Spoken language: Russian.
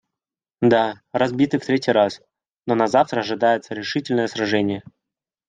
Да, разбиты в третий раз, но назавтра ожидается решительное сражение.